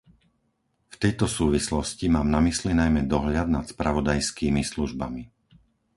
V tejto súvislosti mám na mysli najmä dohľad nad spravodajskými službami.